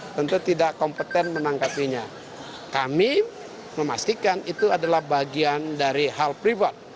tentu tidak kompeten menangkapinya kami memastikan itu adalah bagian dari hal privat